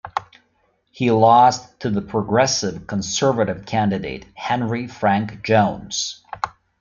He lost to the Progressive Conservative candidate, Henry Frank Jones.